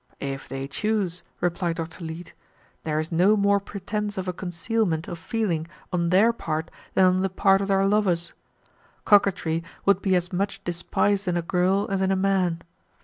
"If they choose," replied Dr. Leete. "There is no more pretense of a concealment of feeling on their part than on the part of their lovers. Coquetry would be as much despised in a girl as in a man.